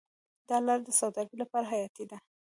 دا لاره د سوداګرۍ لپاره حیاتي ده.